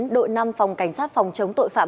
đội năm phòng cảnh sát phòng chống tội phạm